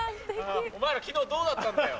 お前ら昨日どうだったんだよ？